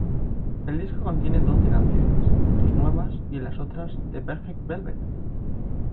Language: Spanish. El disco contiene doce canciones, dos nuevas y las otras de "Perfect Velvet".